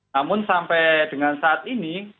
namun sampai dengan saat ini